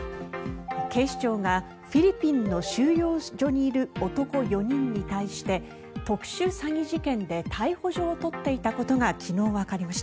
警視庁がフィリピンの収容所にいる男４人に対して特殊詐欺事件で逮捕状を取っていたことが昨日わかりました。